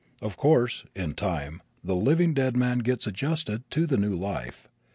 Of course, in time the living dead man gets adjusted to the new life.